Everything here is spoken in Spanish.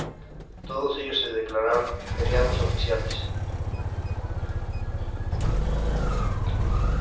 Todos ellos se declararon Feriados Oficiales.